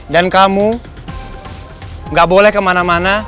dan kamu gak boleh kemana mana